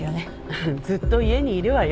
うんずっと家にいるわよ。